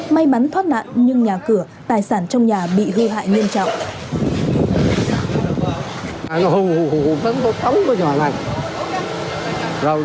may mắn thoát nạn nhưng nhà cửa tài sản trong nhà bị hư hại nghiêm trọng